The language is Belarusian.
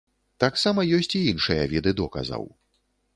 Таксама ёсць і іншыя віды доказаў.